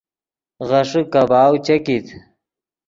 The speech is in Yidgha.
غیݰے کباؤ چے کیت